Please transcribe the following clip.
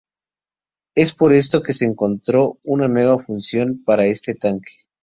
Es por esto que se encontró una nueva función para este tanque.